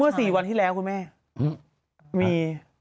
๔วันที่แล้วคุณแม่มี